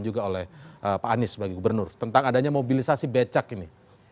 juga oleh pak anies sebagai gubernur tentang adanya mobilisasi becak ini